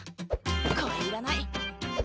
これいらない。